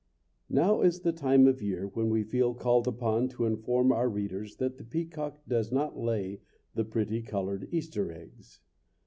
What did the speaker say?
Now is the time of year when we feel called upon to inform our readers that the peacock does not lay the pretty colored Easter eggs.